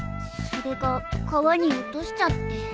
それが川に落としちゃって。